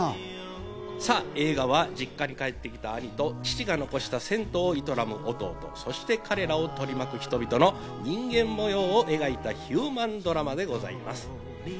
映画は実家に帰ってきた兄と、父が遺した銭湯を営む弟、そして彼らを取り巻く人々の人間模様を描いたヒューマンドラマでございます。